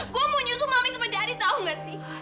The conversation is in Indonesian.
gue mau nyusung mami sepenuhnya tau ga sih